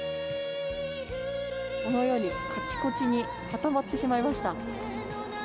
このようにかちこちに固まってしまいました。